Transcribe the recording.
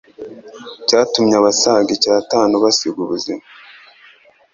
cyatumye abasaga icyatanu basiga ubuzima